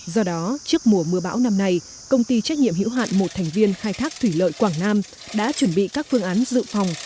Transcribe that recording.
do đó trước mùa mưa bão năm nay công ty trách nhiệm hữu hạn một thành viên khai thác thủy lợi quảng nam đã chuẩn bị các phương án dự phòng